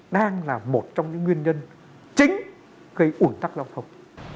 đang là một trong những nguyên nhân chính gây ủn tắc giao thông